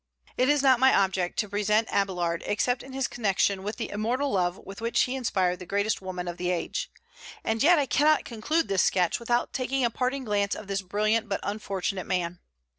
It is not my object to present Abélard except in his connection with the immortal love with which he inspired the greatest woman of the age. And yet I cannot conclude this sketch without taking a parting glance of this brilliant but unfortunate man.